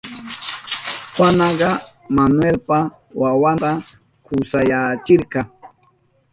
Juanaka Manuelpa wawanta kusayachirka.